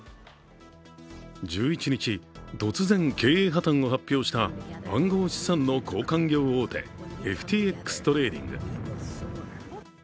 １１日、突然、経営破綻を発表した暗号資産の交換業大手、ＦＴＸトレーディング。